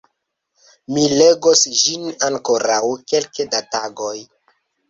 Mi legos ĝin ankoraŭ kelke da tagoj.